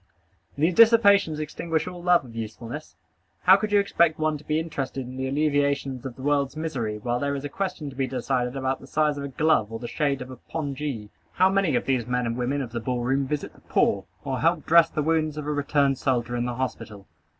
These dissipations extinguish all love of usefulness. How could you expect one to be interested in the alleviations of the world's misery, while there is a question to be decided about the size of a glove or the shade of a pongee? How many of these men and women of the ball room visit the poor, or help dress the wounds of a returned soldier in the hospital?